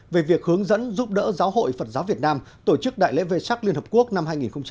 về việc hướng dẫn giúp đỡ giáo hội phật giáo việt nam tổ chức đại lễ vê sắc liên hợp quốc năm hai nghìn một mươi chín